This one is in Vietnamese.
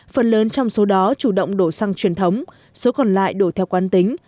phần lớn trong số đó chủ động đổ xăng truyền thống số còn lại đổ theo quan tính